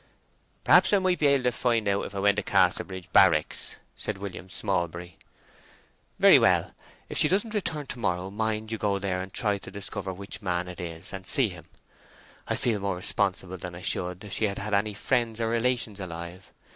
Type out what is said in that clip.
"Perhaps I might be able to find out if I went to Casterbridge barracks," said William Smallbury. "Very well; if she doesn't return to morrow, mind you go there and try to discover which man it is, and see him. I feel more responsible than I should if she had had any friends or relations alive.